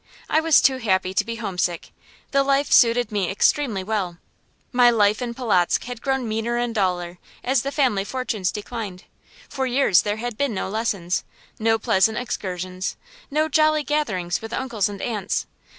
I was too happy to be homesick. The life suited me extremely well. My life in Polotzk had grown meaner and duller, as the family fortunes declined. For years there had been no lessons, no pleasant excursions, no jolly gatherings with uncles and aunts.